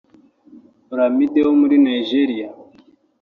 Olamide wo muri Nigeria